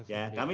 ya terima kasih